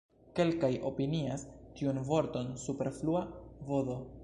Kelkaj opinias tiun vorton superflua, vd.